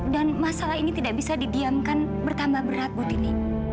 dan masalah ini tidak bisa didiamkan bertambah berat bu tini